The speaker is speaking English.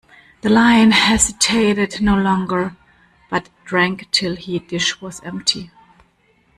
The Lion hesitated no longer, but drank till the dish was empty.